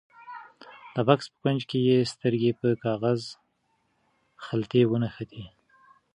د بکس په کونج کې یې سترګې په کاغذي خلطې ونښتې.